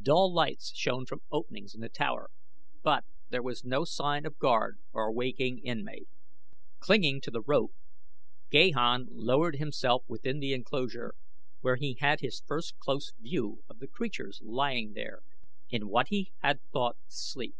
Dull lights shone from openings in the tower; but there was no sign of guard or waking inmate. Clinging to the rope Gahan lowered himself within the enclosure, where he had his first close view of the creatures lying there in what he had thought sleep.